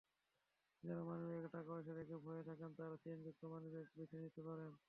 যাঁরা মানিব্যাগে টাকাপয়সা রেখে ভয়ে থাকেন, তাঁরা চেইনযুক্ত মানিব্যাগ বেছে নিতে পারেন।